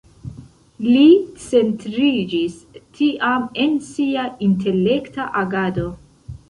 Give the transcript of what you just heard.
Li centriĝis tiam en sia intelekta agado.